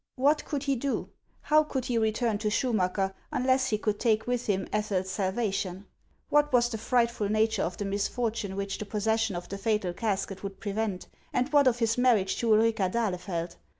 What could he do ? How could he return to Schumacker unless he could take with him Ethel's salvation ? What was the frightful na ture of the misfortune which the possession of the fatal casket would prevent, and what of his marriage to Ulrica d'Ahlefeld